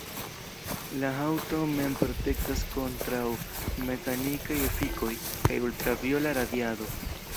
La haŭto mem protektas kontraŭ mekanikaj efikoj, kaj ultraviola radiado.